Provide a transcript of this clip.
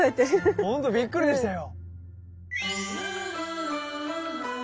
ほんとびっくりでしたよ。